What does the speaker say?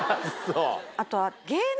あとは。